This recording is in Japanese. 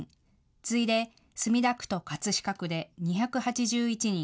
次いで墨田区と葛飾区で２８１人。